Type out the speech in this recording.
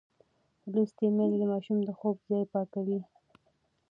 لوستې میندې د ماشومانو د خوب ځای پاکوي.